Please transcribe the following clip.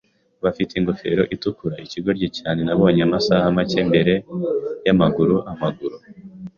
bafite ingofero itukura - ikigoryi cyane nabonye amasaha make mbere yamaguru-amaguru